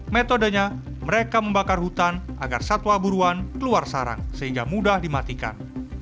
metodenya mereka membakar hutan agar satwa buruan keluar sarang sehingga mudah dimatikan